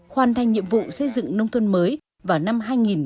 hoàn thành nhiệm vụ xây dựng nông thôn mới vào năm hai nghìn một mươi chín